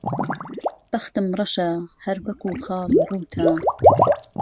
بهختم رهشه ههر وهکوو خاڵی رووته